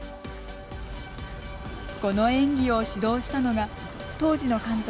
この演技を指導したのが当時の監督